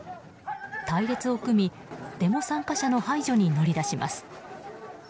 隊列を組みデモ参加者の排除に乗り出します。